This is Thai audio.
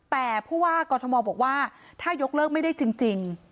แต่ผู้ว่ากอทมบอกว่าถ้ายกเลิกไม่ได้จริง